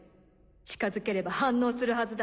近づければ反応するはずだ。